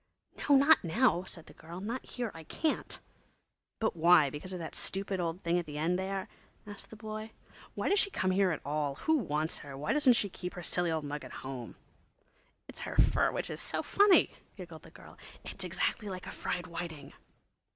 "No, not now," said the girl. "Not here, I can't." "But why? Because of that stupid old thing at the end there?" asked the boy. "Why does she come here at all—who wants her? Why doesn't she keep her silly old mug at home?" "It's her fu fur which is so funny," giggled the girl. "It's exactly like a fried whiting."